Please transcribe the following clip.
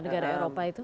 karena eropa itu